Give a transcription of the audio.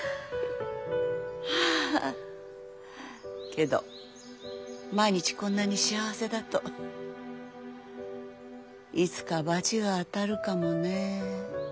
あけど毎日こんなに幸せだといつかバチが当たるかもね。